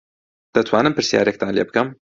دەتوانم پرسیارێکتان لێ بکەم؟